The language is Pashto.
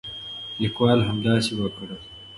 لیکوال همداسې وکړل.